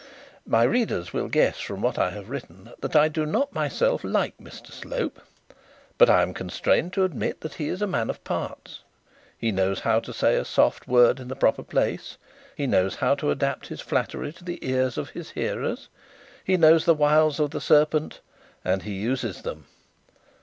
My readers will guess from what I have written that I myself do not like Mr Slope; but I am constrained to admit that he is a man of parts. He knows how to say a soft word in the proper place; he knows how to adapt his flattery to the ears of his hearers; he knows the wiles of the serpent and he uses them.